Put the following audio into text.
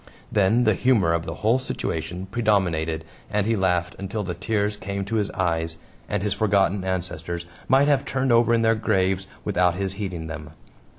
Then the humor of the whole situation predominated and he laughed until the tears came to his eyes, and his forgotten ancestors might have turned over in their graves without his heeding them.